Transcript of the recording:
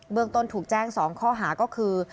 เมืองต้นถูกแจ้ง๒ข้อหาก็คือ